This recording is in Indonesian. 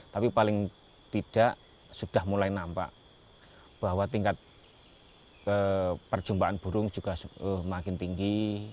tapi paling tidak sudah mulai nampak bahwa tingkat perjumpaan burung juga semakin tinggi